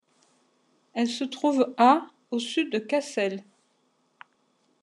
Elle se trouve à au sud de Cassel.